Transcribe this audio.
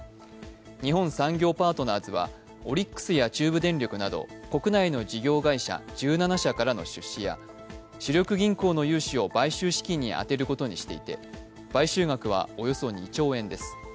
日本産業パートナーズはオリックスや中部電力など国内の事業会社１７社からの出資や主力銀行の融資を買収資金に充てることにしていて買収額はおよそ２兆円です。